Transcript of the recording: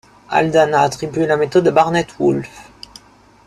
Haldane a attribué la méthode à Barnet Woolf.